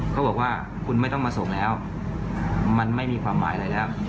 เขาบอกว่าคุณไม่ต้องมาส่งแล้วมันไม่มีความหมายอะไรแล้ว